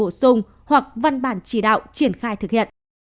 điều chỉnh bổ sung hoặc văn bản chỉ đạo triển khai thực hiện